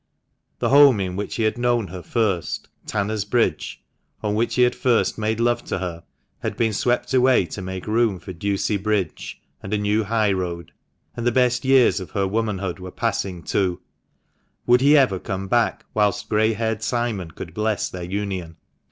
The home in which he had known her first, Tanner's Bridge, on which he had first made love to her, had been swept away to make room for Ducie Bridge and a new high road ; and the best years of her womanhood were passing too. Would he ever come back whilst grey haired Simon could bless their union?